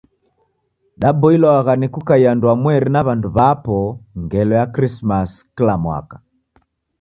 Daboilwagha ni kukaia andwamweri na w'andu w'apo ngelo ya Krisimasi kila mwaka.